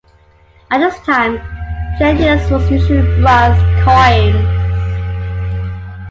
At this time Gentius was issuing bronze coins.